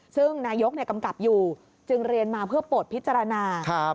ซึ่งนายกกำกับอยู่จึงเรียนมาเพื่อโปรดพิจารณา